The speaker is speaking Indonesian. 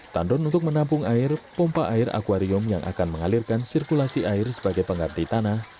tandon untuk menampung air pompa air akwarium yang akan mengalirkan sirkulasi air sebagai pengganti tanah